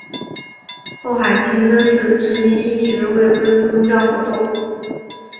后海清真寺至今一直未恢复宗教活动。